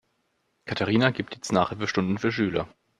Katharina gibt jetzt Nachhilfestunden für Schüler.